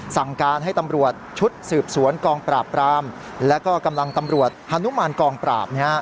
สั่งการให้ตำรวจชุดสืบสวนกองปราบปรามแล้วก็กำลังตำรวจฮานุมานกองปราบ